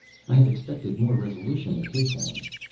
I had expected more resolution at his hands.